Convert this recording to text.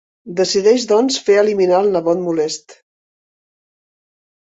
Decideix doncs fer eliminar el nebot molest.